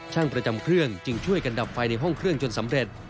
ช่างประจำเครื่องจึงช่วยกันดับไฟในห้องเครื่องจนสำเร็จ